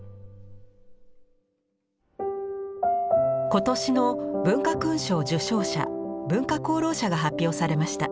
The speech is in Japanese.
今年の文化勲章受章者文化功労者が発表されました。